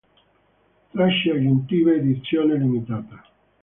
Tracce aggiuntive edizione limitata